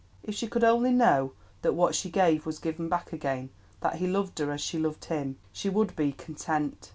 If she could only know that what she gave was given back again, that he loved her as she loved him, she would be content.